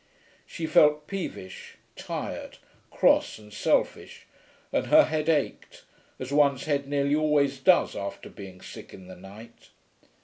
She felt peevish, tired, cross and selfish, and her head ached, as one's head nearly always does after being sick in the night.